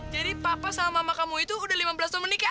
jadi papa sama mama kamu itu udah lima belas tahun menikah